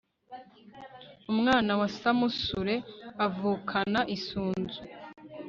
umwana wa samusure avukana isunzu